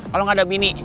kalau gak ada bini